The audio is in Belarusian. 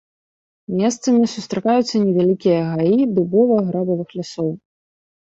Месцамі сустракаюцца невялікія гаі дубова-грабавых лясоў.